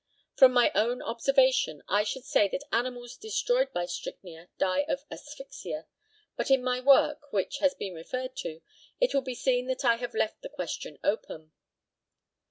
From my own observation I should say that animals destroyed by strychnia die of asphyxia, but in my work, which has been referred to, it will be seen that I have left the question open.